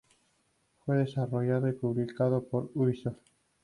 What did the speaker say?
Fue desarrollado y publicado por Ubisoft.